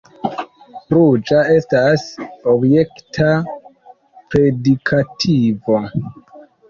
Ruĝa estas objekta predikativo.